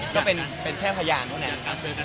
ก็เป็นแค่พยานแมม